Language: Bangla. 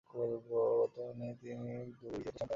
বর্তমানে তিনি দুই ছেলে সন্তানের জননী।